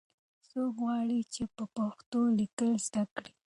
څوک غواړي چې په پښتو لیکل زده کړي؟